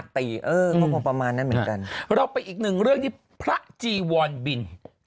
เออก็คงประมาณนั้นเหมือนกันเราไปอีกหนึ่งเรื่องที่พระจีวรบิน